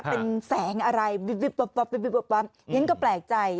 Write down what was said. เป็นแสงอะไรยังก็แปลกใจ